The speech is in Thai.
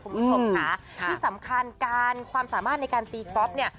คุณผู้ชมค่ะที่สำคัญการความสามารถในการตีก๊อฟเนี่ย